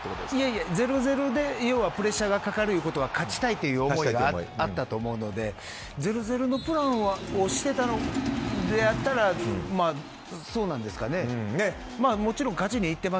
０−０でプレッシャーがかかるということは勝ちたいという思いがあったと思うので０−０のプランをしてたのであったらそうなんですかね。